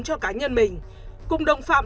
cho cá nhân mình cùng đồng phạm